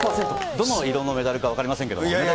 どの色のメダルか分かりませいやいや。